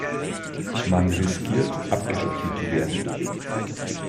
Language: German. Man riskiert, abgeschossen zu werden.